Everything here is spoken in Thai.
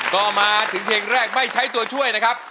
ก็มาถึงเพลงแรกไม่ใช้ตัวช่วยนะครับ